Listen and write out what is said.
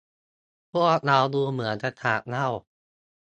พวกเราดูเหมือนจะขาดเหล้า